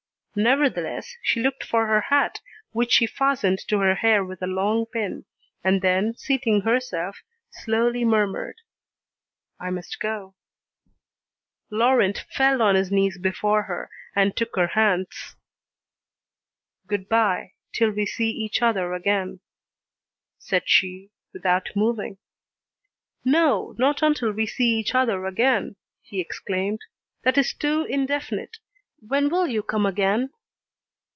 Nevertheless, she looked for her hat which she fastened to her hair with a long pin, and then seating herself, slowly murmured: "I must go." Laurent fell on his knees before her, and took her hands. "Good bye, till we see each other again," said she, without moving. "No, not till we see each other again!" he exclaimed, "that is too indefinite. When will you come again?"